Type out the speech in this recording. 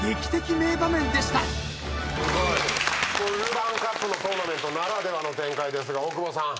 ルヴァンカップのトーナメントならではの展開ですが大久保さん。